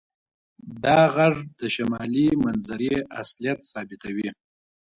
دا غږ د شمالي منظرې اصلیت ثابتوي